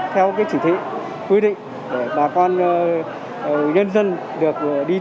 theo chỉ thị quy định để bà con nhân dân được đi tiêm